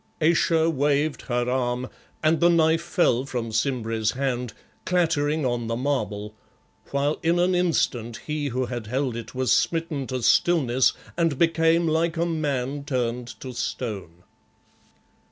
Ayesha waved her arm and the knife fell from Simbri's hand, clattering on the marble, while in an instant he who had held it was smitten to stillness and became like a man turned to stone.